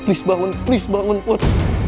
please bangun please bangun pot